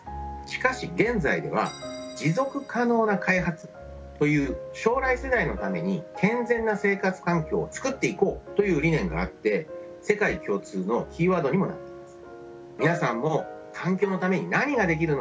しかし現在では持続可能な開発という将来世代のために健全な生活環境をつくっていこうという理念があって世界共通のキーワードにもなっています。